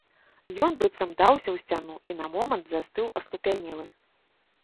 Ён быццам даўся ў сцяну і на момант застыў аслупянелы.